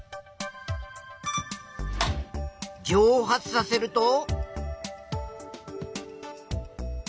蒸発させると。